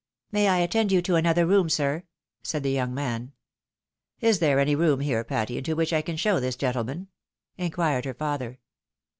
" May I attend you to another room, sir? " said the young man. " Is there any room here, Patty, into which I can show this gentleman ?" inquired her father.